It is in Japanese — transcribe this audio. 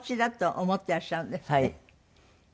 はい。